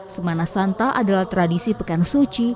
semana santa adalah tradisi pekan suci